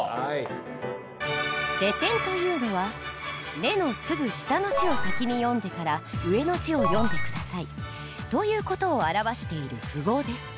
「レ点」というのは「『レ』のすぐ下の字を先に読んでから上の字を読んで下さい」という事を表している符号です。